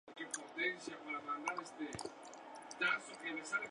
Uryū ha utilizado tres tipos distintos de arcos.